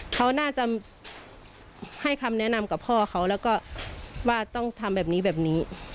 เขาน่าจะให้คำแนะนำกับพ่อเขาแล้วก็ว่าต้องทำแบบนี้แบบนี้